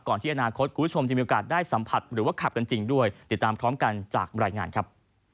ที่อนาคตคุณผู้ชมจะมีโอกาสได้สัมผัสหรือว่าขับกันจริงด้วยติดตามพร้อมกันจากรายงานครับ